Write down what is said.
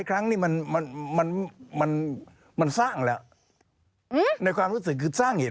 ก็รู้